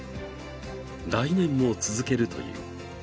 来年も続けるという。